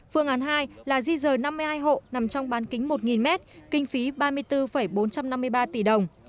phương án hai là di rời năm mươi hai hộ nằm trong bán kính một m kinh phí ba mươi bốn bốn trăm năm mươi ba tỷ đồng